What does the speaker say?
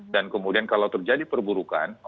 dan kemudian kalau terjadi perburukan